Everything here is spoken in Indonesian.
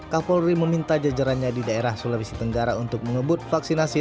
kapolri meminta jajarannya di daerah sulawesi tenggara untuk mengebut vaksinasi